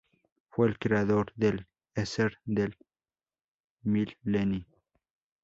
Fue el creador del "Esser del Mil.lenni.